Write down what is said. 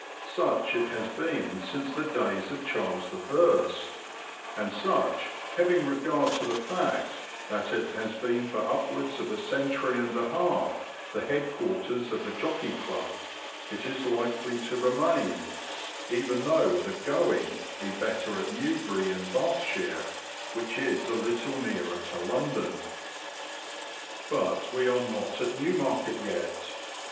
Such it has been since the days of Charles I, and such, having regard to the fact that it has been for upwards of a century and a half the head quarters of the Jockey Club, it is likely to remain, even though the "going" be better at Newbury in Berks, which is a little nearer to London. But we are not at Newmarket yet.